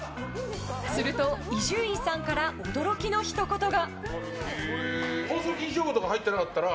すると、伊集院さんから驚きのひと言が。